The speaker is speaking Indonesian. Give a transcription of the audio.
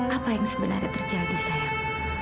apa yang sebenarnya terjadi sayang